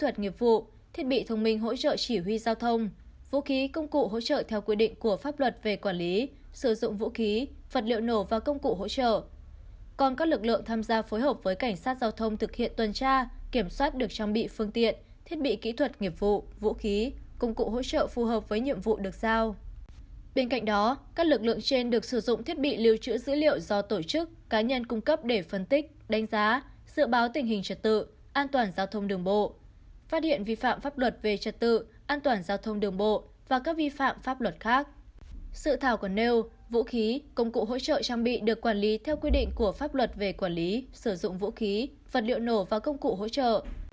sự thảo quần nêu vũ khí công cụ hỗ trợ trang bị được quản lý theo quy định của pháp luật về quản lý sử dụng vũ khí vật liệu nổ và công cụ hỗ trợ